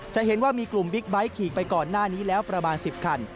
จะเห็นว่ามีกลุ่มบิ๊กไบท์ขี่ไปก่อนหน้านี้แล้วประมาณ๑๐คัน